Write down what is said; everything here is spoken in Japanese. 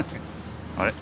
あれ？